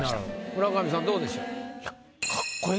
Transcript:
村上さんどうでしょう？